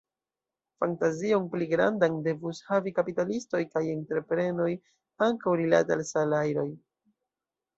Fantazion pli grandan devus havi kapitalistoj kaj entreprenoj ankaŭ rilate al salajroj.